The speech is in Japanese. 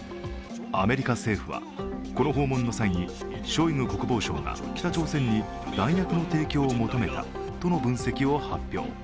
アメリカ政府は、この訪問の際にショイグ国防相が北朝鮮に弾薬の提供を求めたとの分析を発表。